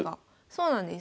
そうなんです。